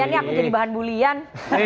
ini aku jadi bahan bulian